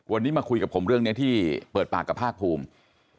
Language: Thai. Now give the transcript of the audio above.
วันนี้มาคุยกับผมเรื่องนี้ที่เปิดปากกับภาคภูมิ